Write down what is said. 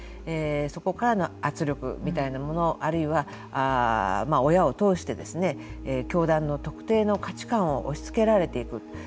そこからの圧力みたいなものあるいは親を通してですね教団の特定の価値観を押しつけられていく。